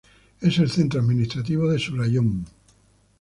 Es el centro administrativo de su raión.